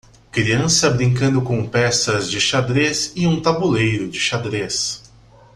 Criança brincando com peças de xadrez em um tabuleiro de xadrez.